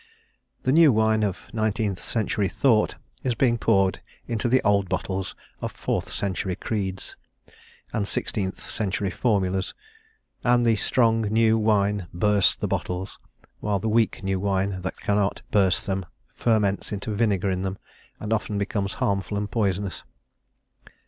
The new wine of nineteenth century thought is being poured into the old bottles of fourth century creeds: and sixteenth century formulas, and the strong new wine bursts the bottles, while the weak new wine that cannot: burst them ferments into vinegar in them, and often becomes harmful and poisonous.